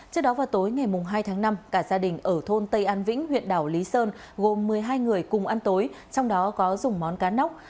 trước đó vào tối ngày hai tháng năm cả gia đình ở thôn tây an vĩnh huyện đảo lý sơn gồm một mươi hai người cùng ăn tối trong đó có dùng món cá nóc